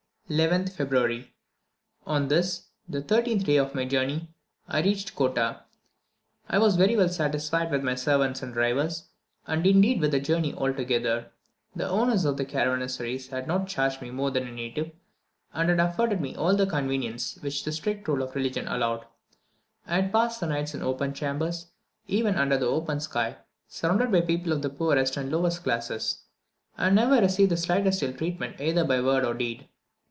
11th February. On this, the thirteenth day of my journey, I reached Kottah. I was very well satisfied with my servants and driver, and indeed with the journey altogether! The owners of the caravansaries had not charged me more than a native; and had afforded me all the conveniences which the strict rules of religion allowed. I had passed the nights in open chambers, even under the open sky, surrounded by people of the poorest and lowest classes, and never received the slightest ill treatment either by word or deed.